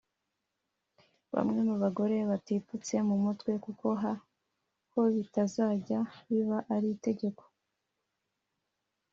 bamwe mu bagore bitipfutse mu mutwe kuko ho bitazajya biba ari itegeko